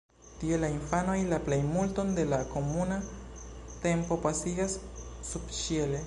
Tie la infanoj la plejmulton de la komuna tempo pasigas subĉiele.